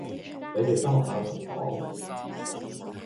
你哋包唔包送貨？